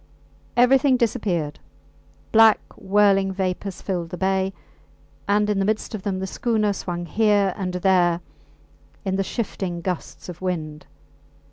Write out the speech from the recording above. Everything disappeared; black whirling vapours filled the bay, and in the midst of them the schooner swung here and there in the shifting gusts of wind.